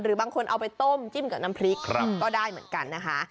บางคนเอาไปต้มจิ้มกับน้ำพริกก็ได้เหมือนกันนะคะ